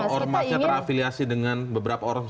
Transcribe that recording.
ormasnya terafiliasi dengan beberapa orang